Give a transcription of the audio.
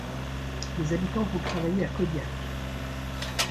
Les habitants vont travailler à Kodiak.